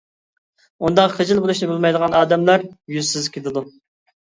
ئۇنداق خىجىل بولۇشنى بىلمەيدىغان ئادەملەر يۈزسىز كېلىدۇ.